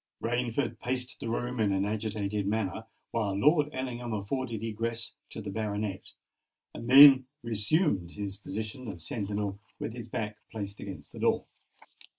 Rainford paced the room in an agitated manner, while Lord Ellingham afforded egress to the baronet, and then resumed his position of sentinel with his back placed against the door.